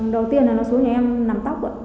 đầu tiên là nó xuống nhà em nằm tóc